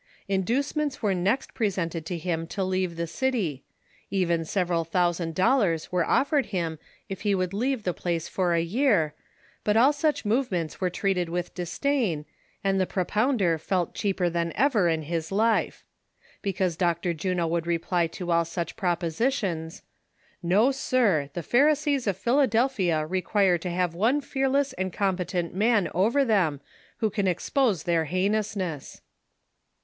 Inducements were next presented to him to leave the city ; even several thousand dollars Avere offered him if he would leave the place for a year, but all such movements were treated with disdain, and the pro pounder felt cheaper than ever in his life. Because Dr. Juno would reply to all such propositions :" ISTo, sir, the pharisees of Philadelphia require to have one fearless and competent man over them, who can ex pose their heinousness."